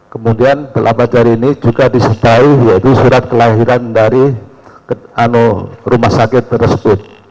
kemudian berlama jari ini juga disertai yaitu surat kelahiran dari rumah sakit tersebut